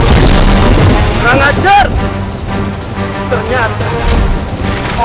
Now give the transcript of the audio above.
surawi seso akan kuhabisih kau